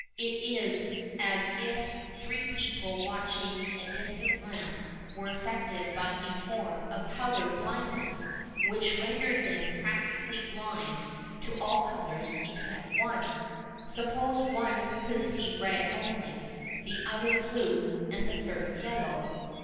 It is as if three people watching a distant lamp were affected by a form of colour blindness which rendered them practically blind to all colours except one. Suppose one could see red only, the other blue and the third yellow.